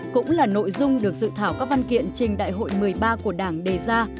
cũng là nội dung được dự thảo các văn kiện trình đại hội một mươi ba của đảng đề ra